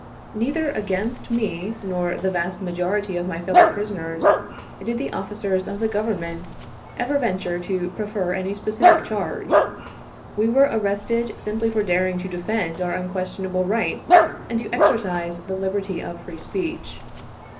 Neither against me nor the vast majority of my lellow prisoners did the officers of the Government ever venture to prefer any specific charge. We were arrested simply for daring to defend our unquestionable rights and to exercise the liberty of free speech.